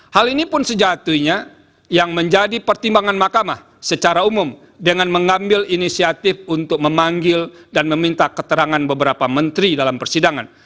hal ini pun sejatinya yang menjadi pertimbangan mahkamah secara umum dengan mengambil inisiatif untuk memanggil dan meminta keterangan beberapa menteri dalam persidangan